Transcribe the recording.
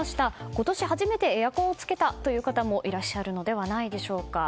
今年初めてエアコンをつけたという方もいらっしゃるのではないでしょうか。